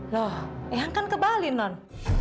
loh yang kan ke bali non